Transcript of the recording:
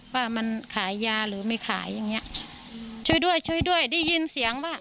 ว่ามันขายยาหรือไม่ขายอย่างเงี้ยช่วยด้วยช่วยด้วยได้ยินเสียงว่า